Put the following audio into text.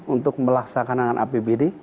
untuk melaksanakan apbd